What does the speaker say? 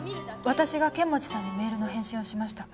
私が剣持さんにメールの返信をしました。